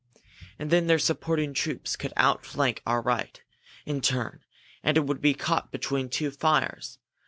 And then their supporting troops could outflank our right, in turn, and it would be caught between two fires!